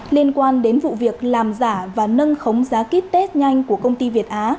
liên quan đến vụ việc làm giả và nâng khống giá kýt test nhanh của công ty việt á